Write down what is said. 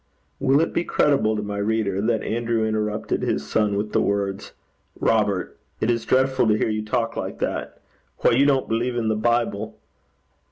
Will it be credible to my reader, that Andrew interrupted his son with the words, 'Robert, it is dreadful to hear you talk like that. Why, you don't believe in the Bible!'